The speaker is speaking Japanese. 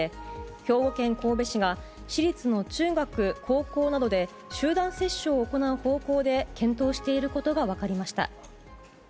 兵庫県神戸市が市立の中学、高校などで集団接種を行う方向で検討していることが分かりました。